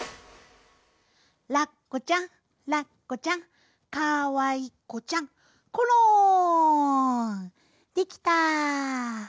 「ラッコちゃんラッコちゃんかわいこちゃんころん」できた。